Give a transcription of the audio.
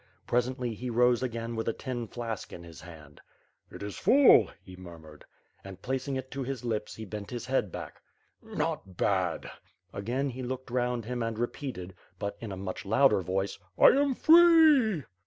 Presently he rose again with a tin flask in his hand. "It is full,"" he murmured. And, placing it to his lips, he bent his head back. "Not bad!" Again, he looked round him and repeated, but in a much louder voice: "I am free!''